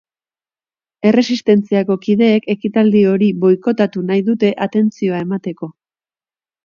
Erresistentziako kideek ekitaldi hori boikotatu nahi dute atentzioa emateko.